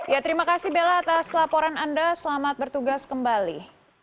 ya terima kasih bella atas laporan anda selamat bertugas kembali